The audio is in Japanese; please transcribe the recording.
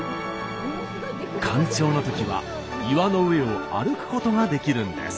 干潮のときは岩の上を歩くことができるんです。